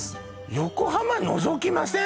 横浜のぞきません？